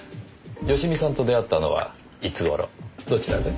佳美さんと出会ったのはいつごろどちらで？